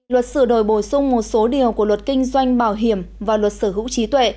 luật sửa đổi bổ sung một số điều của luật kinh doanh bảo hiểm và luật sở hữu trí tuệ